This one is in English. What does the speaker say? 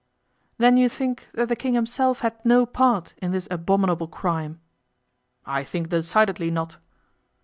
'Then you think that the King himself had no part in this abominable crime?' 'I think decidedly not.